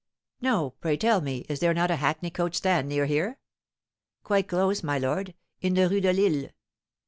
"No. Pray tell me, is there not a hackney coach stand near here?" "Quite close, my lord, in the Rue de Lille."